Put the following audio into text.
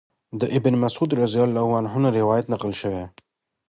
د ابن مسعود رضی الله عنه نه روايت نقل شوی